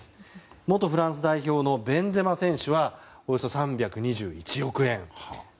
元フランス代表のベンゼマ選手はおよそ３２１億円。